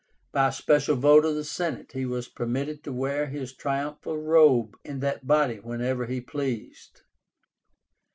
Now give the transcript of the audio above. By a special vote of the Senate he was permitted to wear his triumphal robe in that body whenever he pleased.